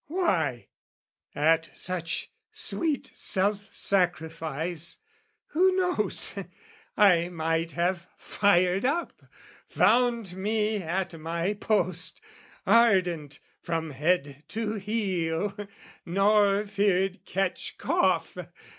Why, at such sweet self sacrifice, who knows? I might have fired up, found me at my post, Ardent from head to heel, nor feared catch cough.